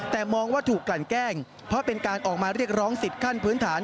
แต่มองว่าถูกกลั่นแกล้งเพราะเป็นการออกมาเรียกร้องสิทธิ์ขั้นพื้นฐาน